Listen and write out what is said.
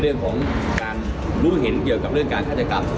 เรื่องของการรู้เห็นเกี่ยวกับเรื่องการฆาตกรรม